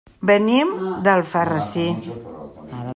Venim d'Alfarrasí.